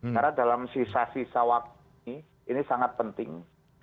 karena dalam sisa sisa waktu ini ini sangat penting